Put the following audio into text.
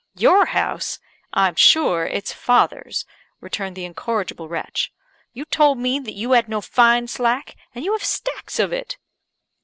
"Your house! I'm sure it's father's," returned the incorrigible wretch. "You told me that you had no fine slack, and you have stacks of it."